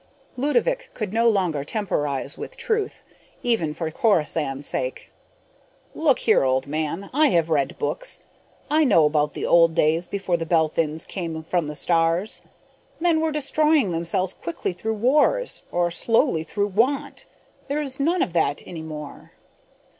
Ludovick could no longer temporize with truth, even for Corisande's sake. "Look here, old man, I have read books. I know about the old days before the Belphins came from the stars. Men were destroying themselves quickly through wars, or slowly through want. There is none of that any more."